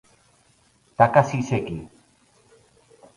Takashi Seki